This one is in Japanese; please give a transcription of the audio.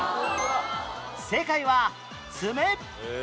正解は爪